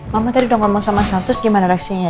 mama tadi udah ngomong sama santus gimana reaksinya